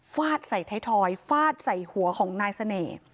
ฟาดใส่ท้ายทอยฟาดใส่หัวของนายเสน่ห์